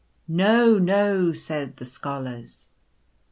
" No, no," said the Scholars.